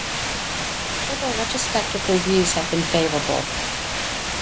Several retrospective reviews have been favourable.